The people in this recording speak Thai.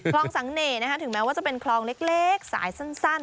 สังเน่ถึงแม้ว่าจะเป็นคลองเล็กสายสั้น